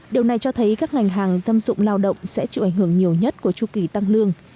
điều này cho thấy các ngành hàng thâm dụng lao động sẽ chịu ảnh hưởng nhiều nhất của chu kỳ tăng lương